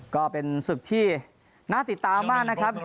ก็เป็นศึกที่น่าติดตามมากนะครับ